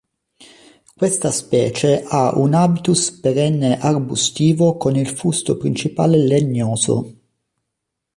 Questa specie ha un habitus perenne arbustivo con il fusto principale legnoso.